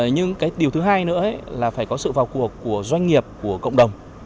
nhưng cái điều thứ hai nữa là phải có sự vào cuộc của doanh nghiệp của cộng đồng